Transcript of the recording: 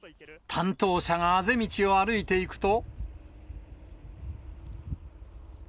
担当者があぜ道を歩いていくと。